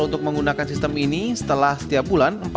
untuk menggunakan sistem ini setelah setiap bulan